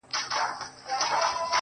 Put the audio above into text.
• د هغه هر وخت د ښکلا خبر په لپه کي دي.